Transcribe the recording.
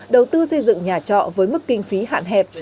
đầu tư xây dựng nhà trọ với mức kinh phí hạn hẹp